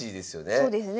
そうですね。